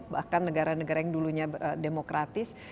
bahkan negara negara yang dulunya demokratis